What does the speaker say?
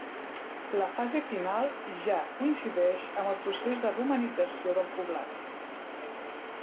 La fase final ja coincideix amb el procés de romanització del poblat.